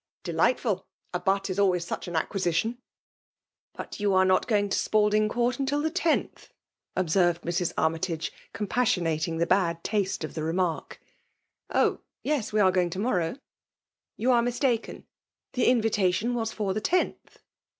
" Pelightful !— A butt is always such ati ac quisition !"~*' But you are not going to Spalding Coorl till the 10th ?" observed Mrs. Armytage« comr passionating the bad tasto of the reuark.^ " Oh ! yes, — we are going to morrow/' You are mistaken ; the invitation wtisfc^ the lOth."